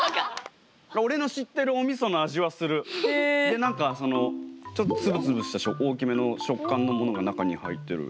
で何かそのちょっとつぶつぶした大きめの食感のものが中に入ってる。